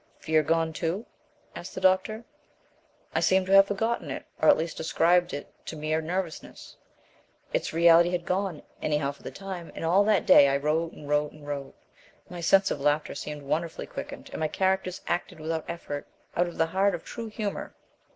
"Fear gone, too?" asked the doctor. "I seemed to have forgotten it, or at least ascribed it to mere nervousness. Its reality had gone, anyhow for the time, and all that day I wrote and wrote and wrote. My sense of laughter seemed wonderfully quickened and my characters acted without effort out of the heart of true humour.